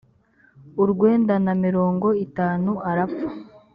urwenda na mirongo itanu arapfa.